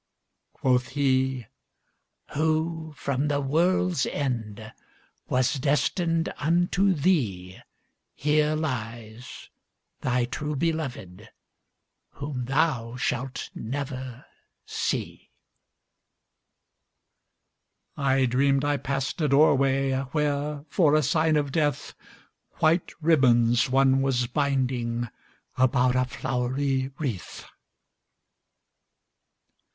Quoth he, "Who from the world's endWas destined unto theeHere lies, thy true belovèdWhom thou shalt never see."I dreamed I passed a doorwayWhere, for a sign of death, White ribbons one was bindingAbout a flowery wreath.